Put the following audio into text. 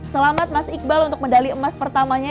selamat mas iqbal untuk medali emas pertamanya